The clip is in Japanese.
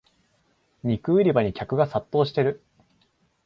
肉売り場に客が殺到してる